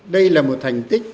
đây là một thành tích